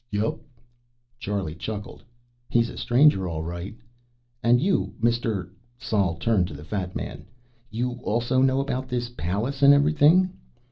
"Yep." Charlie chuckled. "He's a stranger, all right." "And you, Mr. " Sol turned to the fat man. "You also know about this palace and everything?"